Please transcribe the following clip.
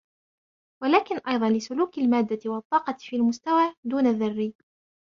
ولكن أيضا لسلوك المادة والطاقة في المستوى دون الذرّي